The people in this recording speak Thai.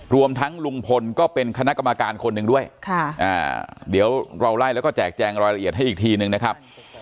รวมทั้งลุงพลก็เป็นคณะกรรมการคนหนึ่งด้วยเดี๋ยวเราไล่แล้วก็แจกแจงรายละเอียดให้อีกทีนึงนะครับ